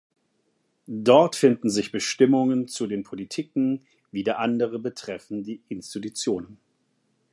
Dort finden sich Bestimmungen zu den Politiken, wieder andere betreffen die Institutionen.